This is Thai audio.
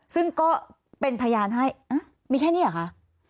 ซึ่งก็เป็นพยานให้มีแค่นี้เหรอคะ